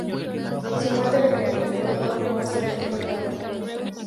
Su muerte repentina condujo a rumores que fue envenenado.